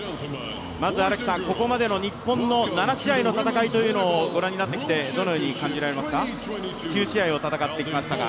まずここまでの日本の９試合の戦いをご覧になってきてどのように感じられてきましたか？